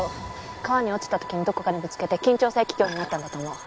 川に落ちた時にどこかにぶつけて緊張性気胸になったんだと思う。